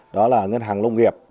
đó là ngân hàng lông nghiệp